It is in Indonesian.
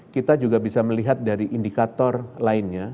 kita juga bisa melihat dari indikator lainnya